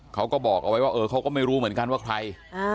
เขาก็บอกเอาไว้ว่าเออเขาก็ไม่รู้เหมือนกันว่าใคร